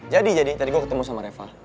jadi jadi tadi gue ketemu sama reva